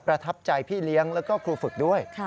ทับใจพี่เลี้ยงแล้วก็ครูฝึกด้วย